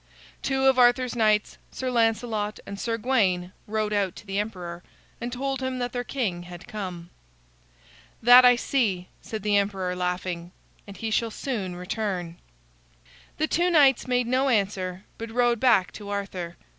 Two of Arthur's knights, Sir Lancelot and Sir Gawain, rode out to the emperor, and told him that their king had come. "That I see," said the emperor laughing, "and he shall soon return." The two knights made no answer, but rode back to Arthur.